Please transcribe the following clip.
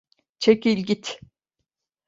Çekil git!